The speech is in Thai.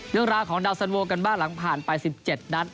เรื่องราวของดาวสันโวกันบ้างหลังผ่านไป๑๗นัด